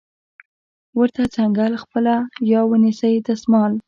ورته څنګل خپله یا ونیسئ دستمال